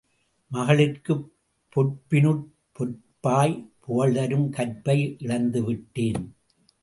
மகளிர்க்குப் பொற்பினுட் பொற்பாய், புகழ்தரும் கற்பை இழந்துவிட்டேன்.